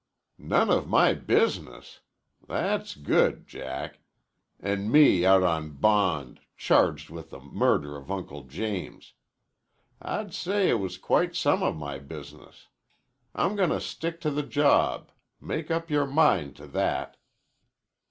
"None of my business! That's good, Jack. An' me out on bond charged with the murder of Uncle James. I'd say it was quite some of my business. I'm gonna stick to the job. Make up your mind to that."